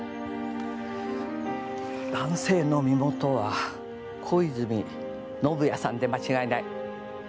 男性の身元は小泉宣也さんで間違いない。